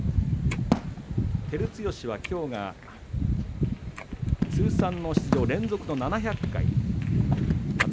照強、きょうが通算の出場連続７００回です。